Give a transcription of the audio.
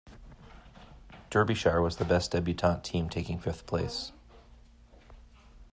Derbyshire was the best debutant team, taking fifth place.